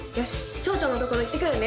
町長のところ行ってくるね。